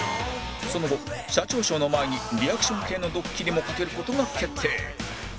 その後社長賞の前にリアクション系のドッキリも掛ける事が決定